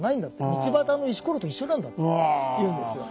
道端の石ころと一緒なんだって言うんですよ。